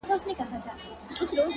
وخت د بېتوجهۍ حساب اخلي